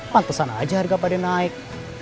pantesan aja harga pada naik